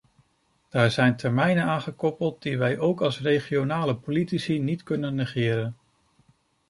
Daar zijn termijnen aan gekoppeld die wij ook als regionale politici niet kunnen negeren.